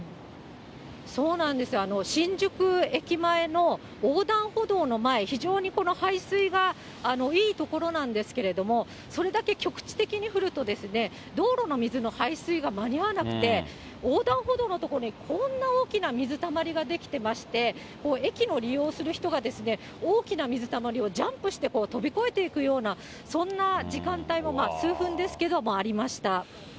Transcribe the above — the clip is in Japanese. そうなんですよ、新宿駅前の横断歩道の前、非常にこの排水がいい所なんですけれども、それだけ局地的に降ると、道路の水の排水が間に合わなくて、横断歩道の所にこんな大きな水たまりが出来てまして、駅を利用する人が大きな水たまりをジャンプして飛び越えていくような、そんな時間帯が数分ですけどありました。